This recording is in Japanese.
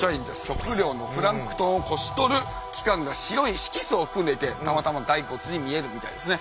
食料のプランクトンをこしとる器官が白い色素を含んでいてたまたまガイコツに見えるみたいですね。